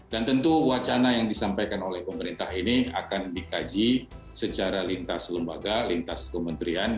dan tentu wacana yang disampaikan oleh pemerintah ini akan dikaji secara lintas lembaga lintas kementerian